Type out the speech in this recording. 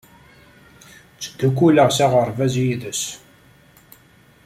Ttdukkuleɣ s aɣerbaz yid-s.